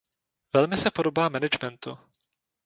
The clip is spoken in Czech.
Velmi se podobá managementu.